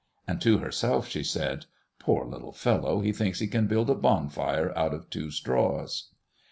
And to herself she said, "Poor little fellow! he thinks he can build a bonfire out of two straws."